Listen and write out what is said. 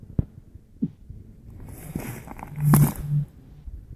阳虎花花介为细花介科花花介属下的一个种。